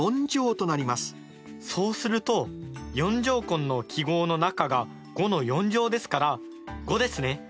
そうすると４乗根の記号の中が５の４乗ですから５ですね。